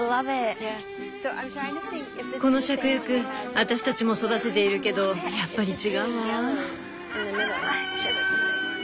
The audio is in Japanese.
このシャクヤク私たちも育てているけどやっぱり違うわ。